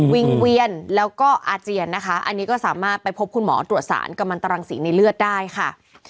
วิ่งเวียนแล้วก็อาเจียนนะคะอันนี้ก็สามารถไปพบคุณหมอตรวจสารกำลังตรังสีในเลือดได้ค่ะ